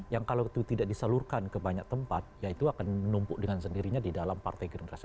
yang kalau itu tidak disalurkan ke banyak tempat ya itu akan menumpuk dengan sendirinya di dalam partai gerindra sendiri